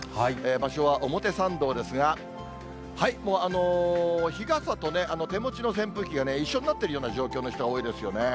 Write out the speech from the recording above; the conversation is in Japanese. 場所は表参道ですが、日傘と手持ちの扇風機が一緒になってるような状況の人が多いですよね。